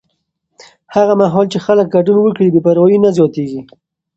هغه مهال چې خلک ګډون وکړي، بې پروایي نه زیاتېږي.